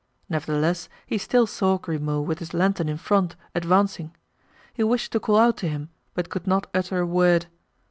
Nevertheless, he still saw Grimaud with his lantern in front, advancing. He wished to call out to him but could not utter a word.